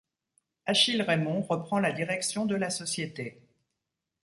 Achille Raymond reprend la direction de la société.